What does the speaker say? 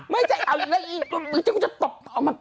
ไม่ใช่เอาอีกแล้วอีกแล้ว